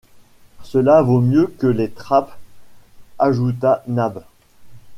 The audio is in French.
Cela vaut mieux que les trappes ajouta Nab